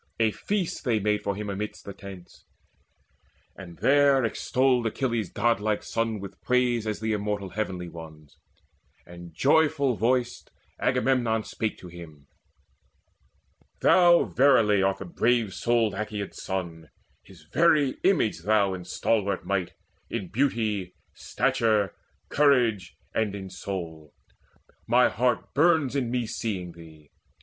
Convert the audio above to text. A feast they made for him amidst the tents, And there extolled Achilles' godlike son With praise as of the immortal Heavenly Ones; And joyful voiced Agamemnon spake to him: "Thou verily art the brave souled Aeacid's son, His very image thou in stalwart might, In beauty, stature, courage, and in soul. Mine heart burns in me seeing thee.